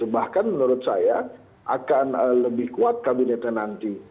bahkan menurut saya akan lebih kuat kabinetnya nanti